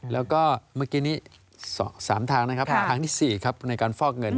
แล้วก็เมื่อกี้นี้๓ทางนะครับทางที่๔ครับในการฟอกเงิน